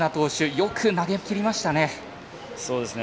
よく投げきりましたね。